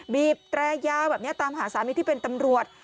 บีบแตรยาวแบบนี้ตามหาสามีที่เป็นตำรวจ